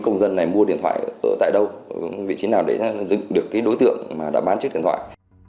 công dân này mua điện thoại ở tại đâu vị trí nào để dựng được cái đối tượng mà đã bán chiếc điện thoại